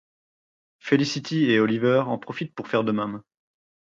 Felicity et Oliver en profitent pour faire de même.